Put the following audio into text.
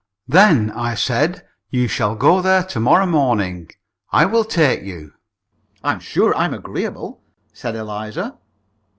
"Then," I said, "you shall go there to morrow morning; I will take you." "I'm sure I'm agreeable," said Eliza.